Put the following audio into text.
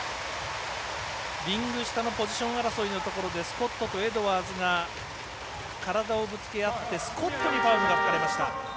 リング下のポジション争いのところでスコットとエドワーズが体がぶつけ合ってスコットにファウルが吹かれました。